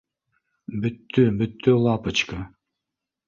Бөттө, бөттө, лапочка